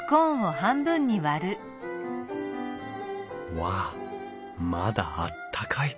うわあまだあったかい。